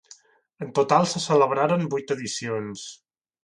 En total se celebraren vuit edicions.